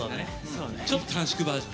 ちょっと短縮バージョン。